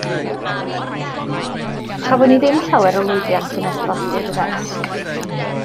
Chafon ni ddim llawer o lwyddiant yn adeiladu'r ddesg.